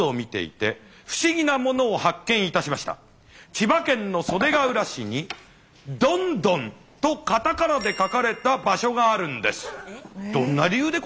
千葉県の袖ケ浦市にドンドンとカタカナで書かれた場所があるんです。